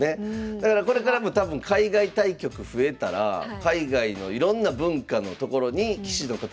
だからこれからも多分海外対局増えたら海外のいろんな文化の所に棋士の方いかれると思う。